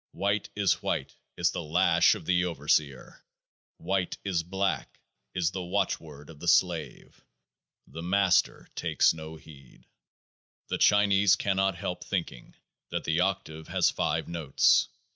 " White is white " is the lash of the overseer :" white is black " is the watchword of the slave. The Master takes no heed. 58 The Chinese cannot help thinking that the octave has 5 notes.